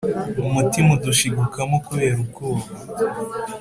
umutima udushigukamo kubera ubwoba